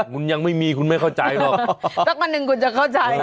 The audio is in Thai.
คุณยังไม่มีคุณไม่เข้าใจหรอก